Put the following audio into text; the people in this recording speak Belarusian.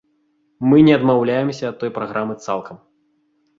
Мы не адмаўляемся ад той праграмы цалкам.